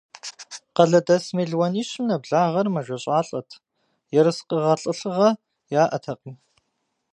Къалэдэс мелуанищым нэблагъэр мэжэщӀалӀэт, ерыскъы гъэтӀылъыгъэ яӀэтэкъым.